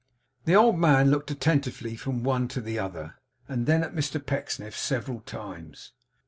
The old man looked attentively from one to the other, and then at Mr Pecksniff, several times.